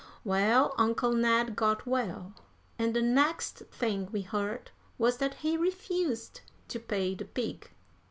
Well, Uncle Ned got well, and the next thing we heard was that he refused to pay the pig.